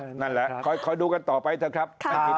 นั่นแหละคอยดูกันต่อไปเถอะครับ